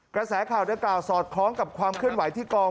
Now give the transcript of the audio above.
กระแสข่าวดังกล่าสอดคล้องกับความเคลื่อนไหวที่กอง